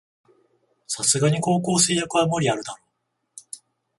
さすがに高校生役は無理あるだろ